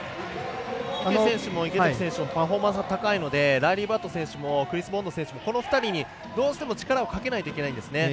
池選手も池崎選手もパフォーマンスが高いのでライリー・バット選手もクリス・ボンド選手もこの２人にどうしても力をかけないといけないんですね。